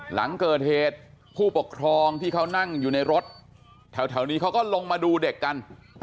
หลังเกิดเหตุผู้ปกครองที่เขานั่งอยู่ในรถแถวนี้เขาก็ลงมาดูเด็กกัน